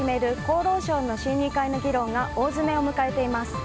厚労省の審議会の議論が大詰めを迎えています。